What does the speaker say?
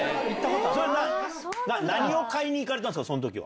それ、何を買いに行かれたんですか、そのときは。